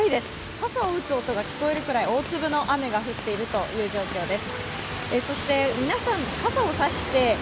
傘を打つ音が聞こえるくらい大粒の雨が降っているという状況です。